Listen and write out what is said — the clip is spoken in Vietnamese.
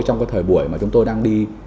trong cái thời buổi mà chúng tôi đang đi